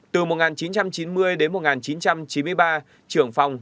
từ một nghìn chín trăm chín mươi đến một nghìn chín trăm chín mươi ba trưởng phòng